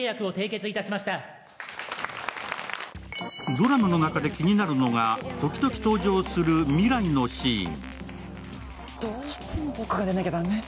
ドラマの中で気になるのが時々登場する未来のシーン。